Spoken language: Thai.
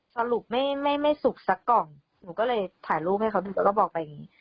สรุปไม่ไม่สุกสักกล่องหนูก็เลยถ่ายรูปให้เขาดูแล้วก็บอกไปอย่างนี้